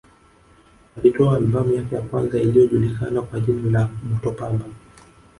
Alitoa albamu yake ya kwanza iliyojulikana kwa jina la Moto Pamba